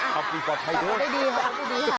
ขอบคุณภาพให้โดรน